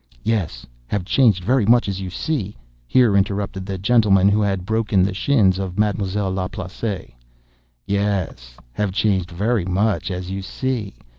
"Yes—have changed very much, as you see," here interrupted the gentleman who had broken the shins of Ma'm'selle Laplace. "Yes—have changed very much, as you see!"